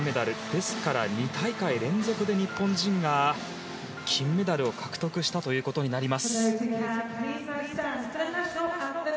ですから、２大会連続で日本人が金メダルを獲得したということになります。